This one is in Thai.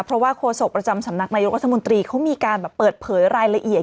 เพราะว่าโฆษกประจำสำนักนายกรัฐมนตรีเขามีการแบบเปิดเผยรายละเอียด